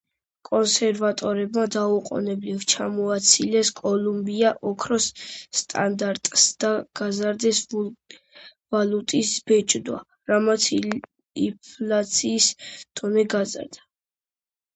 კონსერვატორებმა დაუყოვნებლივ ჩამოაცილეს კოლუმბია ოქროს სტანდარტს და გაზარდეს ვალუტის ბეჭვდა, რამაც ინფლაციის დონე გაზარდა.